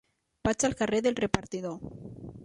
Vaig al carrer del Repartidor.